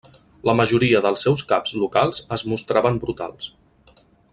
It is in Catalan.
La majoria dels seus caps locals es mostraven brutals.